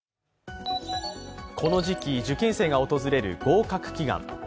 この時期、受験生が訪れる合格祈願。